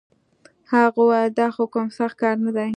هغه وويل دا خو کوم سخت کار نه دی.